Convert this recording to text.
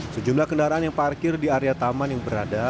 sejumlah kendaraan yang parkir di area taman yang berada